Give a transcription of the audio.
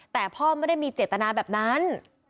แต่พ่อไม่ได้มีเจตนาแบบนั้น